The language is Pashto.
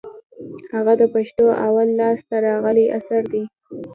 هغه د پښتو اول لاس ته راغلى اثر دئ.